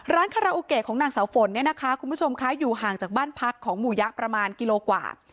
คาราโอเกะของนางสาวฝนเนี่ยนะคะคุณผู้ชมคะอยู่ห่างจากบ้านพักของหมู่ยะประมาณกิโลกว่า